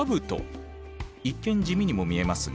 一見地味にも見えますが。